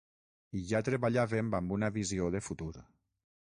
I ja treballàvem amb una visió de futur.